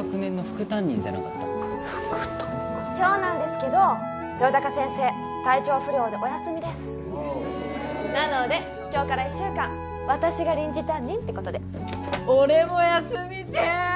副担か今日なんですけど豊高先生体調不良でお休みですえーなので今日から一週間私が臨時担任ってことで俺も休みてぇー！